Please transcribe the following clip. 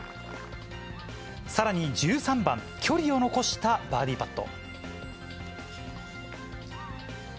さらに１３番、距離を残したバーディーパット。